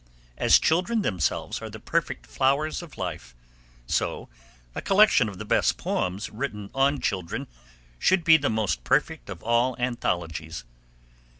As children themselves are the perfect flowers of life, so a collection of the best poems written on children should be the most perfect of all anthologies.